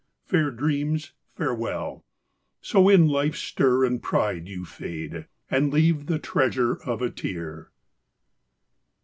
Fair dreams, farewell! So in life's stir and pride You fade, and leave the treasure of a tear!